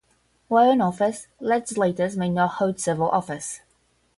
While in office, legislators may not hold civil office.